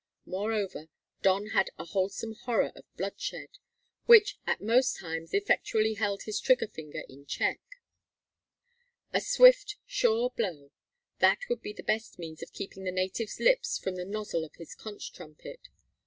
Moreover, Don had a wholesome horror of bloodshed, which at most times effectually held his trigger finger in check. A swift, sure blow that would be the best means of keeping the native's lips from the nozzle of his conch trumpet.